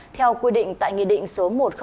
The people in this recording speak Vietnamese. theo quy định tại nghị định số một trăm linh